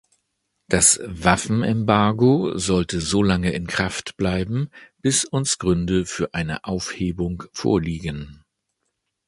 Das Waffenembargo sollte solange in Kraft bleiben, bis uns Gründe für eine Aufhebung vorliegen.